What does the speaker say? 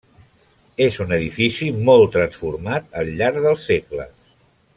És un edifici molt transformat al llarg dels segles.